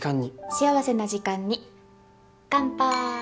幸せな時間に乾杯！